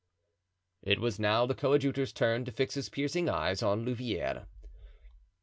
It was now the coadjutor's turn to fix his piercing eyes on Louvieres.